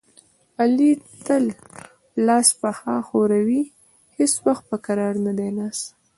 علي تل لاس پښه ښوروي، هېڅ وخت په کرار نه دی ناست.